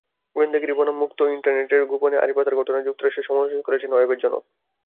গোয়েন্দাগিরি বনাম মুক্ত ইন্টারনেটইন্টারনেটে গোপনে আড়ি পাতার ঘটনায় যুক্তরাষ্ট্রের সমালোচনা করেছেন ওয়েবের জনক।